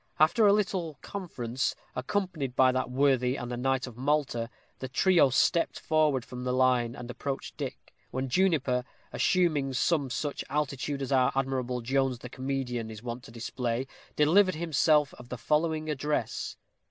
After a little conference, accompanied by that worthy and the knight of Malta, the trio stepped forward from the line, and approached Dick, when Juniper, assuming some such attitude as our admirable Jones, the comedian, is wont to display, delivered himself of the following address.